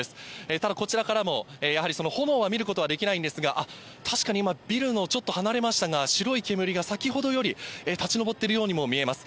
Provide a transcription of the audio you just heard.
ただ、こちらからもやはりその炎は見ることはできないんですが、あっ、確かに今、ビルの、ちょっと離れましたが、白い煙が先ほどより立ち上っているようにも見えます。